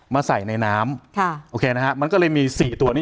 มาใส่ในน้ำค่ะโอเคนะฮะมันก็เลยมี๔ตัวนี้